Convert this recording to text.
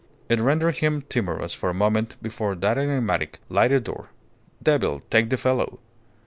It rendered him timorous for a moment before that enigmatic, lighted door. Devil take the fellow!